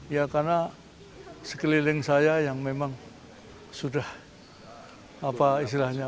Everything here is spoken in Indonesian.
ya karena sekeliling saya yang memang sudah apa istilahnya